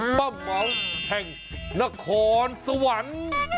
เหมาแห่งนครสวรรค์